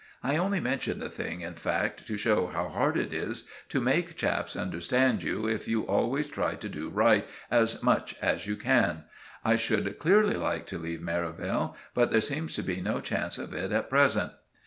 I only mention the thing, in fact, to show how hard it is to make chaps understand you if you always try to do right as much as you can. I should clearly like to leave Merivale, but there seems to be no chance of it at present.